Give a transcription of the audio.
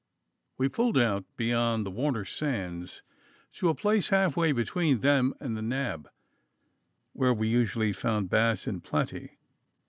We pulled out beyond the Warner Sands to a place half way between them and the Nab, where we usually found bass in plenty.